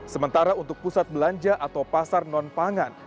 sementara untuk pusat belanja atau pasar non pangan